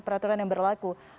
peraturan yang berlaku